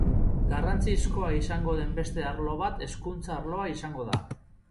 Garrantzizkoa izango den beste arlo bat hezkuntza arloa izango da.